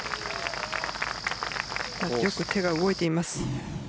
よく手が動いています。